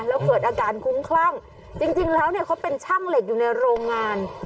แล้วเกิดอาการคุ้มคลั่งจริงแล้วเนี่ยเขาเป็นช่างเหล็กอยู่ในโรงงาน